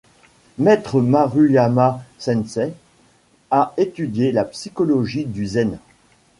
Maître Maruyama senseï a étudié la psychologie du Zen.